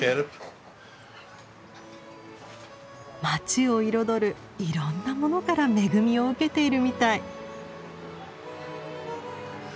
街を彩るいろんなものから恵みを受けているみたい。